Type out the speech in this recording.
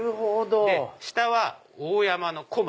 下は大山のこま。